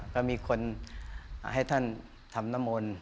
ก็มีคนให้ท่านทำน้ำมนต์